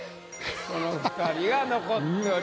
この２人が残っております。